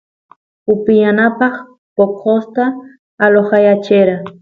upiyanapaq poqosta alojayachera